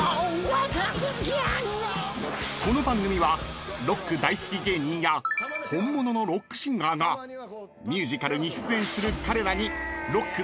［この番組はロック大好き芸人や本物のロックシンガーがミュージカルに出演する彼らに］